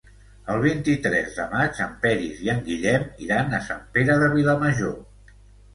El vint-i-tres de maig en Peris i en Guillem iran a Sant Pere de Vilamajor.